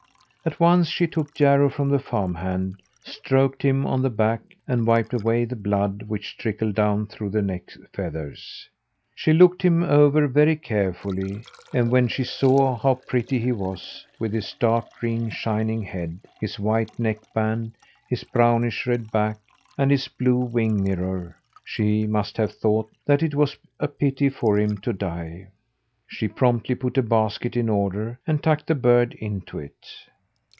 At once she took Jarro from the farm hand, stroked him on the back and wiped away the blood which trickled down through the neck feathers. She looked him over very carefully; and when she saw how pretty he was, with his dark green, shining head, his white neck band, his brownish red back, and his blue wing mirror, she must have thought that it was a pity for him to die. She promptly put a basket in order, and tucked the bird into it.